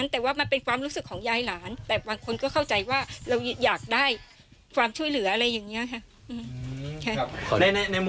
แต่ว่ามันเป็นความรู้สึกของยายหลานแต่บางคนก็เข้าใจว่าเราอยากได้ความช่วยเหลืออะไรอย่างนี้ค่ะ